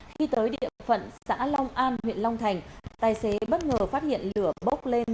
khi tới địa phận xã long an huyện long thành tài xế bất ngờ phát hiện lửa bốc lên